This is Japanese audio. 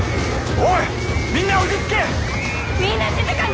おい！